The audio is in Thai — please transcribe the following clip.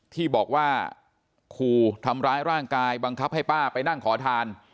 ที่บอกว่าขู่ทำร้ายร่างกายบังคับให้ป้าไปนั่งขอทาน